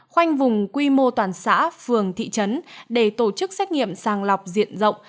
khoanh vùng quy mô toàn xã phường thị trấn để tổ chức xét nghiệm sàng lọc diện rộng